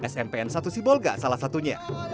smpn satu sibolga salah satunya